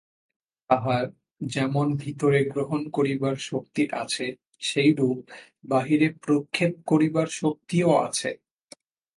তাঁহার যেমন ভিতরে গ্রহণ করিবার শক্তি আছে, সেইরূপ বাহিরে প্রক্ষেপ করিবার শক্তিও আছে।